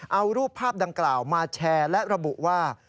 เอารูปภาพดังกล่าวมาแชร์และระบุว่า